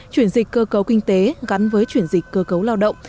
chuyển dịch cơ cấu kinh tế gắn với chuyển dịch cơ cấu lao động